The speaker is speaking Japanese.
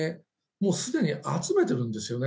もうすでに集めているんですよね。